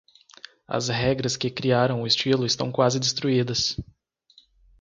As regras que criaram o estilo estão quase destruídas.